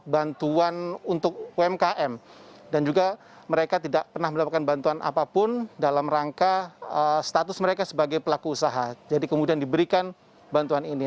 bantuan untuk umkm dan juga mereka tidak pernah mendapatkan bantuan apapun dalam rangka status mereka sebagai pelaku usaha jadi kemudian diberikan bantuan ini